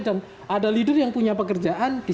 dan ada leader yang punya pekerjaan